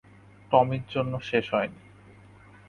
টমির জন্য শেষ হয়নি।